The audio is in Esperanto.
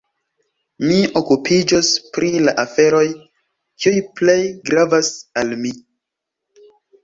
Mi okupiĝos pri la aferoj, kiuj plej gravas al mi.